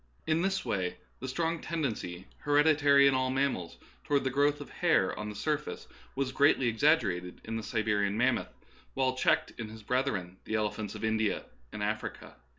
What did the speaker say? In this way the strong tendency, hereditary in all mammals, to ward the growth of hair on the surface, was greatly exaggerated in the Siberian mammoth, while checked in his brethren, the elephants of India and Africa.